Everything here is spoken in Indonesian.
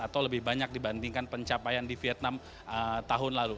atau lebih banyak dibandingkan pencapaian di vietnam tahun lalu